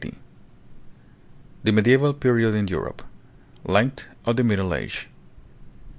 The Mediaeval Period in Europe. Length of the Middle Age.